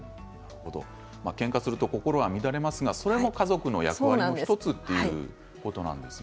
けんかすると心が乱れますがそれも家族も役割の１つということなんですね。